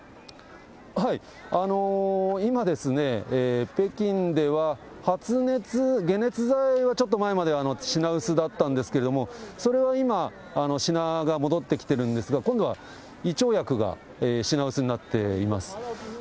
今ですね、北京では、発熱、解熱剤はちょっと前まで品薄だったんですけども、それは今、品が戻ってきてるんですが、今度は胃腸薬が品薄になっています。